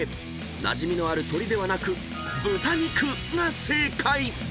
なじみのある鶏ではなく豚肉が正解］